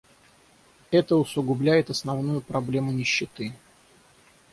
Это усугубляет основную проблему нищеты.